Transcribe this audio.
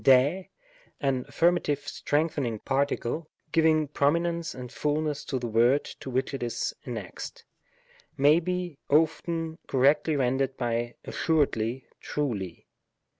Srjy an affirmative strengthening participle, giving prominence and fulness to the word to which it is an nexed, may be often correctly rendered by dssuredly^ trvkj.